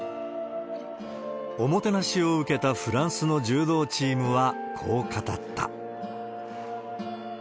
おもてなしを受けたフランスの柔道チームはこう語った。